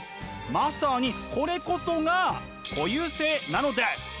まさにこれこそが固有性なのです。